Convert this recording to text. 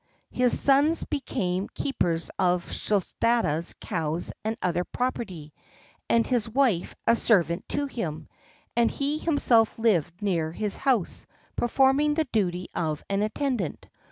His sons became keepers of Sthuladatta's cows and other property, and his wife a servant to him, and he himself lived near his house, performing the duty of an attendant.